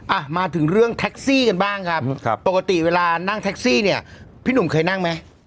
อ่ะมาถึงเรื่องแท็กซี่กันบ้างครับปกติเวลานั่งแท็กซี่เนี่ยพี่หนุ่มเคยนั่งไหม